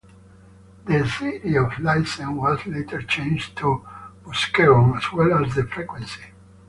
The city of license was later changed to Muskegon as well as the frequency.